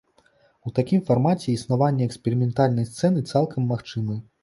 У такім фармаце існаванне эксперыментальнай сцэны цалкам магчымае!